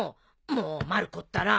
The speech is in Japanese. もうまる子ったら。